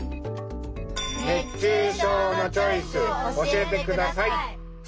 熱中症のチョイスを教えてください！